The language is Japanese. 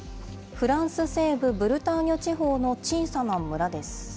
フランス西部ブルターニュ地方の小さな村です。